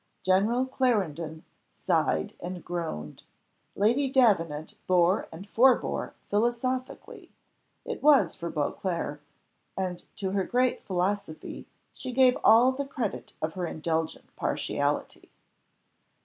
General Clarendon sighed and groaned. Lady Davenant bore and forebore philosophically it was for Beauclerc; and to her great philosophy she gave all the credit of her indulgent partiality.